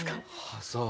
ああそう。